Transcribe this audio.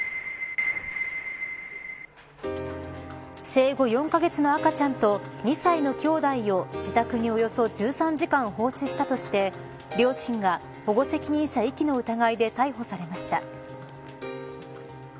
生後４カ月の赤ちゃんと２歳の兄弟を自宅におよそ１３時間放置したとして両親が保護責任者遺棄の疑いで逮捕されました。